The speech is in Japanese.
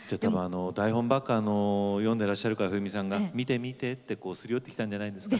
台本ばっか読んでらっしゃるから冬美さんが「見て見て」ってすり寄ってきたんじゃないですか。